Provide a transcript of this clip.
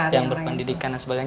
yang berpendidikan dan sebagainya